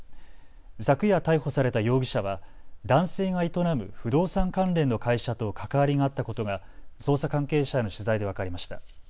昨夜、逮捕された容疑者は男性が営む不動産関連の会社と関わりがあったことが捜査関係者への取材で分かりました。